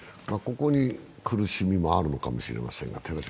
ここに苦しみもあるのかもしれません。